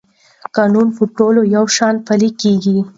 قانون په ټولو یو شان پلی کېږي.